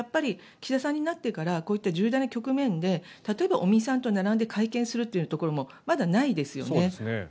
岸田さんになってからこういう重大な局面で例えば尾身さんと並んで会見するというところもまだないですよね。